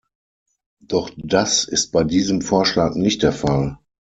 Doch das ist bei diesem Vorschlag nicht der Fall.